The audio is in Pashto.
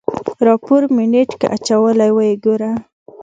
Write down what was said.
راپور مې نېټ کې اچولی ويې ګوره.